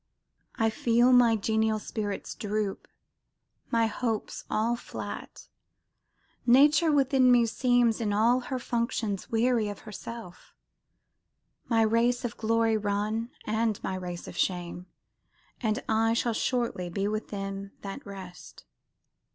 I feel my genial spirits droop, My hopes all flat: Nature within me seems In all her functions weary of herself; My race of glory run, and race of shame, And I shall shortly be with them that rest."